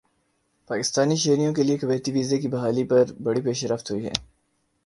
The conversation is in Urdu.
پاکستانی شہریوں کے لیے کویتی ویزے کی بحالی پر بڑی پیش رفت ہوئی ہےا